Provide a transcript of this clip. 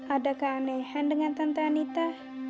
adakah anehan dengan tante anita